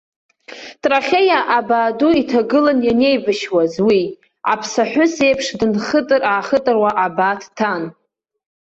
Трахеи абаа ду иҭагылан ианеибашьуаз уи, аԥсаҳәыс еиԥш дынхытыр-аахытыруа абаа дҭан.